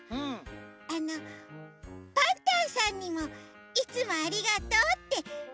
あのパンタンさんにも「いつもありがとう」ってみんなでつたえない？